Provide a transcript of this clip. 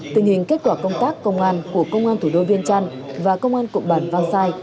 tình hình kết quả công tác công an của công an thủ đô viên trăn và công an cụm bản văn sai